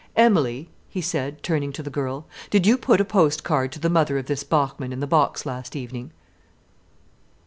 "Emilie," he said, turning to the girl, "did you put a post card to the mother of this Bachmann in the box last evening?"